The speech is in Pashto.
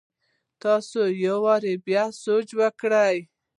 تاسي يو وار بيا سوچ وکړئ!